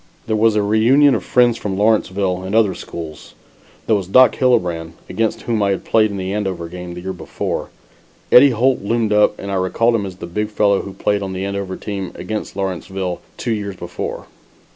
There was a reunion of friends from Lawrenceville and other schools. There was Doc Hillebrand, against whom I had played in the Andover game the year before. Eddie Holt loomed up and I recalled him as the big fellow who played on the Andover team against Lawrenceville two years before.